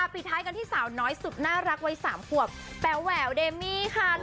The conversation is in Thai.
ปิดท้ายกันที่สาวน้อยสุดน่ารักวัย๓ขวบแป๋วแหววเดมี่ค่ะ